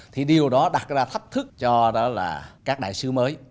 thì điều đó đặt ra thách thức cho các đại sứ mới